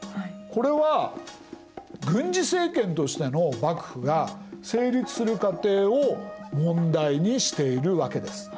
これは軍事政権としての幕府が成立する過程を問題にしているわけです。